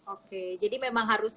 oke jadi memang harus